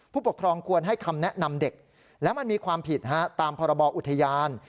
ผู้ปกครองควรให้คำแนะนำเด็กและมันมีความผิดตามพรบอุทยาน